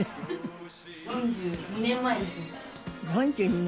４２年前ですね。